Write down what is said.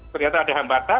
ternyata ada hambatan